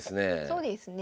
そうですね。